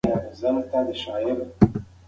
د مطالعې لپاره باید مناسب چاپي کتابونه انتخاب شي.